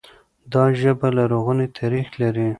دا ژبه لرغونی تاريخ لري.